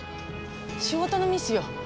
仕事のミスよ。